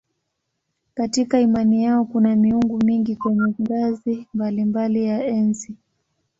Katika imani yao kuna miungu mingi kwenye ngazi mbalimbali ya enzi.